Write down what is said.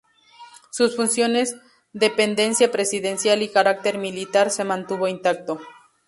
Sus funciones, dependencia presidencial y carácter militar se mantuvo intacto.